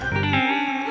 hah lo jadi gue